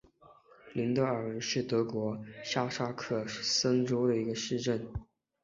林德尔恩是德国下萨克森州的一个市镇。